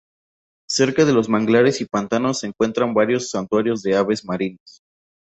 Cerca de los manglares y pantanos se encuentran varios santuarios de aves marinas.